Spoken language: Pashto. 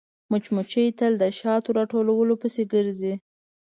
مچمچۍ تل د شاتو راټولولو پسې ګرځي